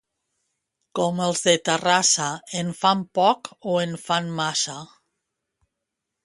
Com els de Terrassa, en fan poc o en fan massa.